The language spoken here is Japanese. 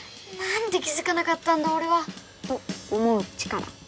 なんで気づかなかったんだ俺は！と思うチカラ。